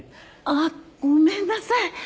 あっごめんなさい。